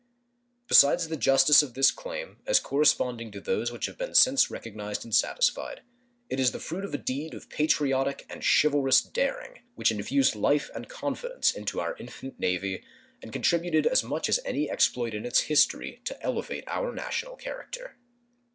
Besides the justice of this claim, as corresponding to those which have been since recognized and satisfied, it is the fruit of a deed of patriotic and chivalrous daring which infused life and confidence into our infant Navy and contributed as much as any exploit in its history to elevate our national character.